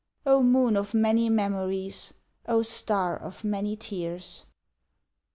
Oh, moon of many memories! Oh, star of many tears! 1881.